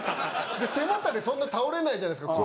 背もたれそんな倒れないじゃないですか。